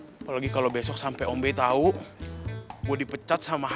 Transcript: apalagi kalau besok sampai ombe tahu gue dipecat sama hrd nya